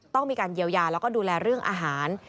ต้องมีการเยียวยาแล้วก็ดูแลเรื่องอาหาร